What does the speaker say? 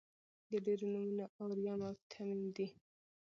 د ډبرو نومونه اوریم او تمیم دي.